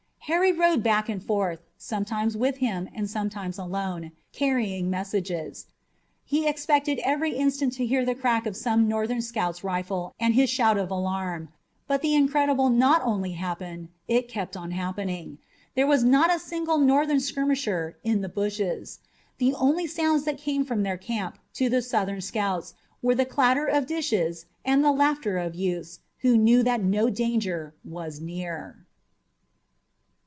Harry rode back and forth, sometimes with him and sometimes alone, carrying messages. He expected every instant to hear the crack of some Northern scout's rifle and his shout of alarm, but the incredible not only happened it kept on happening. There was not a single Northern skirmisher in the bushes. The only sounds that came from their camp to the Southern scouts were the clatter of dishes and the laughter of youths who knew that no danger was near.